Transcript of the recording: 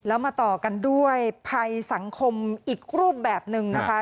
แล้วมาต่อกันด้วยภัยสังคมอีกรูปแบบหนึ่งนะคะ